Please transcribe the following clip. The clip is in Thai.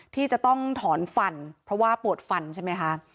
ที่จะต้องถอนฟันเพราะว่าปวดฟันใช่ไหมคะ